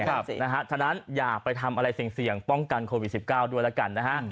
เพราะฉะนั้นอย่าไปทำอะไรเสี่ยงป้องกันโควิด๑๙ด้วยแล้วกันนะฮะ